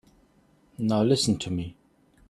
Now listen to me.